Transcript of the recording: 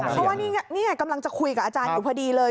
เพราะว่านี่กำลังจะคุยกับอาจารย์อยู่พอดีเลย